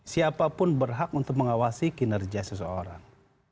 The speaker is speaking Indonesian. siapapun berhak untuk mengawasi kinerja seseorang